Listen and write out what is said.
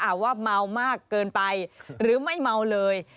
ว่าเมามากเกินไปหรือไม่เมาเลย